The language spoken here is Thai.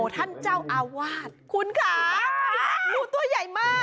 ท่านเจ้าอาวาสคุณค่ะงูตัวใหญ่มาก